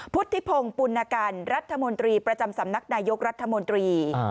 พุทธิพงศ์ปุณกันรัฐมนตรีประจำสำนักนายกรัฐมนตรี